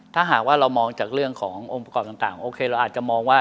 ถ้าหากว่าเรามองจากเรื่องขององค์ประกอบต่างโอเคเราอาจจะมองว่า